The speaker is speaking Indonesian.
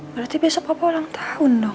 berarti besok aku ulang tahun dong